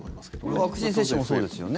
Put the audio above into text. ワクチン接種もそうですよね。